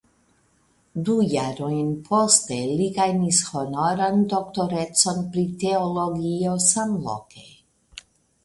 Du jarojn poste li gajnis honoran doktorecon pri teologio samloke.